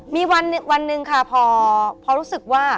มีวันหนึ่งค่ะพอรู้สึกว่า